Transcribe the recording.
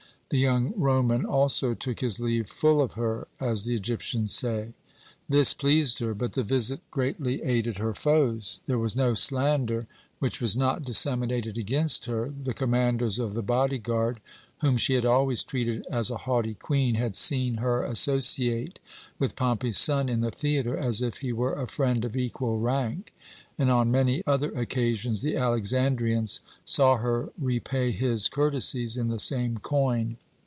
The young Roman also took his leave 'full of her,' as the Egyptians say. This pleased her, but the visit greatly aided her foes. There was no slander which was not disseminated against her. The commanders of the body guard, whom she had always treated as a haughty Queen, had seen her associate with Pompey's son in the theatre as if he were a friend of equal rank; and on many other occasions the Alexandrians saw her repay his courtesies in the same coin.